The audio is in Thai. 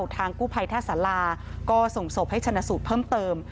ทางกู้ภัยท่าสาราก็ส่งศพให้ชนะสูตรเพิ่มเติม